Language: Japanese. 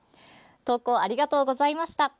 投稿ありがとうございました。